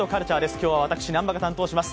今日は私、南波が担当します。